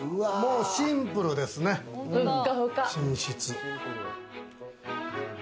シンプルですね、寝室。